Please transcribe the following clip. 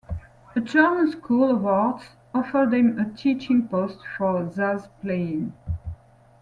A German school of arts offered him a teaching post for saz playing.